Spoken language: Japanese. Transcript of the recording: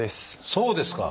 そうですか！